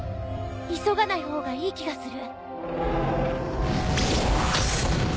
急がない方がいい気がする。